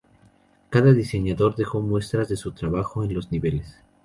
Cada diseñador dejó muestras de su trabajo en los niveles.